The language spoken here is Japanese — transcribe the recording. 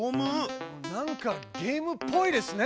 なんかゲームっぽいですね。